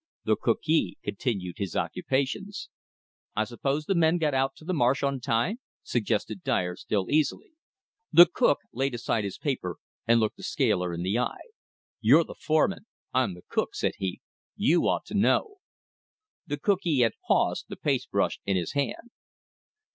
The cookee continued his occupations. "I suppose the men got out to the marsh on time," suggested Dyer, still easily. The cook laid aside his paper and looked the scaler in the eye. "You're the foreman; I'm the cook," said he. "You ought to know." The cookee had paused, the paste brush in his hand.